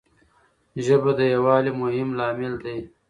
ژبه د یووالي مهم لامل دی.